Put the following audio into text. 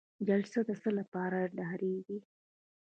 جلسه د څه لپاره دایریږي؟